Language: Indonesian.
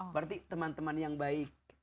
berarti teman teman yang baik